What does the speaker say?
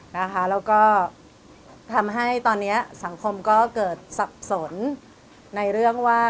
แล้วก็ทำให้ตอนนี้สังคมก็เกิดสับสนในเรื่องว่า